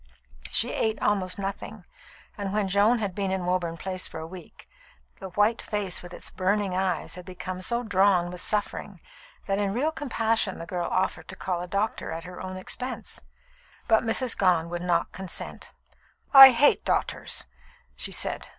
She ate almost nothing; and when Joan had been in Woburn Place for a week, the white face with its burning eyes had become so drawn with suffering that in real compassion the girl offered to call a doctor at her own expense. But Mrs. Gone would not consent. "I hate doctors," she said.